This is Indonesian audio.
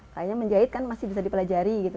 kayaknya menjahit kan masih bisa dipelajari gitu